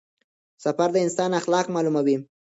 سفر د انسان اخلاق معلوموي.